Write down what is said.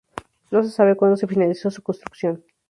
No se sabe cuándo se finalizó su construcción.